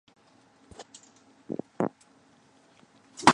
ニューメキシコ州の州都はサンタフェである